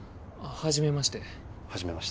初めまして。